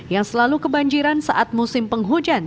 yang selalu kebanjiran saat musim penghujan